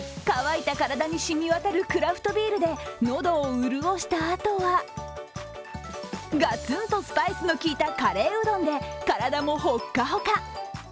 乾いた体にしみわたるクラフトビールで喉を潤したあとはガツンとスパイスのきいたカレーうどんで体もほっかほか。